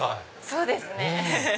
そうですね。